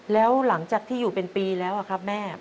แล้วหลังจากที่อยู่เป็นปีแล้วครับแม่